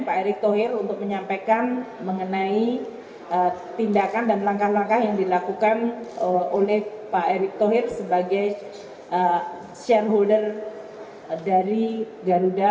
pak erick thohir untuk menyampaikan mengenai tindakan dan langkah langkah yang dilakukan oleh pak erick thohir sebagai shareholder dari garuda